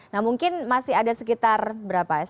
nah mungkin masih ada sekitar berapa ya